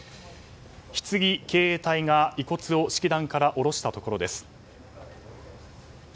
ひつぎ警衛隊が遺骨を式壇から下ろしたところです。